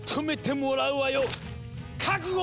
覚悟